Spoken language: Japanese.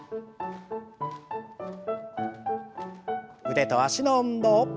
腕と脚の運動。